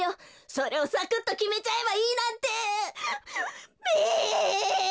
それをサクッときめちゃえばいいなんてべ！